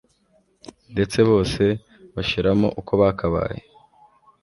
ndetse bose bashiramo uko bakabaye